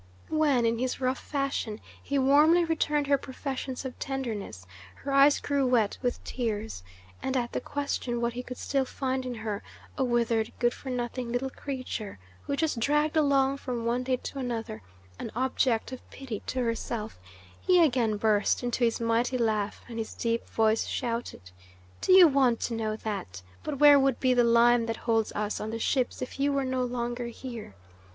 When, in his rough fashion, he warmly returned her professions of tenderness, her eyes grew wet with tears, and at the question what he could still find in her, a withered, good for nothing little creature who just dragged along from one day to another, an object of pity to herself, he again burst into his mighty laugh, and his deep voice shouted: "Do you want to know that? But where would be the lime that holds us on the ships if you were no longer here?